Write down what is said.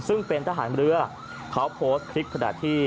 ซึ่งเป็นทหารเรือเขาโพสต์คลิปขณะที่